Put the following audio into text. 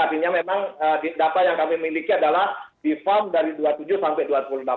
artinya memang data yang kami miliki adalah di farm dari dua puluh tujuh sampai dua puluh enam